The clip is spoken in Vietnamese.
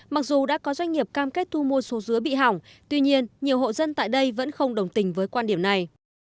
mặc dù đã có doanh nghiệp cam kết thu mua số dứa bị hỏng tuy nhiên nhiều hộ dân tại đây vẫn không đồng tình với quan điểm này